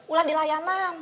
ulan di layaman